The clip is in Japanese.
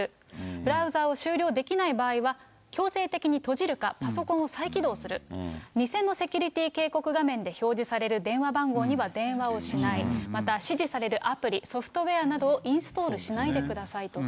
ブラウザを終了できない場合は、強制的に閉じるかパソコンを再起動する、偽のセキュリティ警告画面で表示される電話番号には電話をしない、また指示されるアプリ、ソフトウエアなどをインストールしないでください。